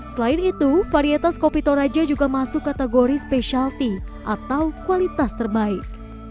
selain itu varietas kopi toraja juga masuk kategori specialty atau kualitas terbaik